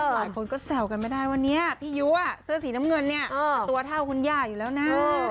หลายคนก็แซวกันไม่ได้ว่าเนี่ยพี่ยุเสื้อสีน้ำเงินเนี่ยตัวเท่าคุณย่าอยู่แล้วนะ